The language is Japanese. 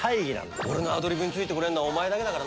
「俺のアドリブについてこれんのはお前だけだからな」